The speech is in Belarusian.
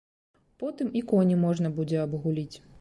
Потым і коні можна будзе абагуліць.